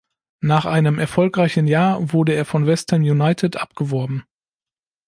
Nach einem erfolgreichen Jahr wurde er von West Ham United abgeworben.